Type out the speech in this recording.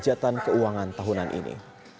kepada kesehatan keuangan tahunan ini